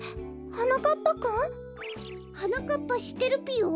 はなかっぱくん？はなかっぱしってるぴよ？